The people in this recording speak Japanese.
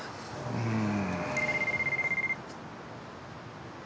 うん。